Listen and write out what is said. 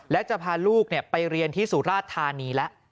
และจะพาลูกเนี่ยไปเรียนที่สุราชธานีละ